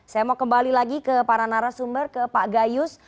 saya mau kembali lagi ke para narasumber ke pak gayus